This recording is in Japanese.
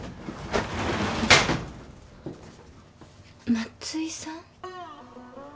松井さん？